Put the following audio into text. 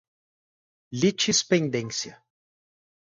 litispendência